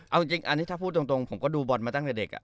เอาจริงอันนี้ถ้าพูดตรงผมก็ดูบอลมาตั้งแต่เด็ก